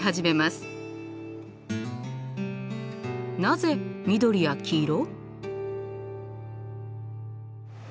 なぜ緑や黄色？